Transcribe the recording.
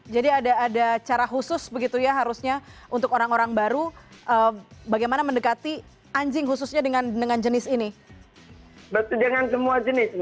jadi ada cara khusus untuk orang orang baru bagaimana mendekati anjing khususnya dengan jenis ini